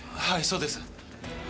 はいそうです。